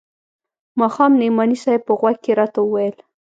ماښام نعماني صاحب په غوږ کښې راته وويل.